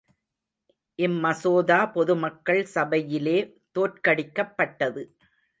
இம்மசோதா பொதுமக்கள் சபையிலே தோற்கடிக்கப்பட்டது.